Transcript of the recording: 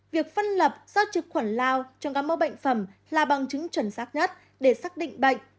việc phân lập ra trực khuẩn lao cho các mẫu bệnh phẩm là bằng chứng chuẩn xác nhất để xác định bệnh